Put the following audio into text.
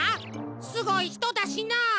すごいひとだしな。